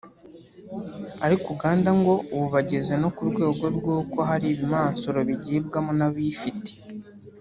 ariko Uganda ngo ubu bageze no ku rwego rw’uko hari ibimansuro bigibwamo n’abifite